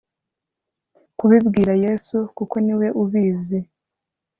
kubibwira yesu kuko niwe ubizi